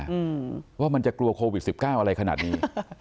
อืมว่ามันจะกลัวโควิดสิบเก้าอะไรขนาดนี้